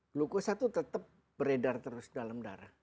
glukosa itu tetap beredar terus dalam darah